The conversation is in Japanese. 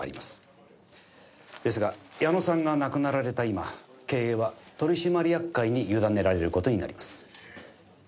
ですが矢野さんが亡くなられた今経営は取締役会に委ねられる事になります。